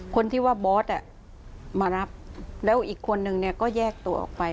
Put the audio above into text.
คนที่ว่าบอสมารับแล้วอีกคนนึงเนี่ยก็แยกตัวออกไป